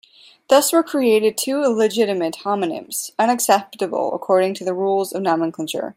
Thus were created two illegitimate homonyms, unacceptable according to the rules of nomenclature.